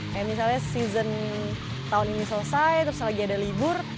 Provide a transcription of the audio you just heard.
kayak misalnya season tahun ini selesai terus lagi ada libur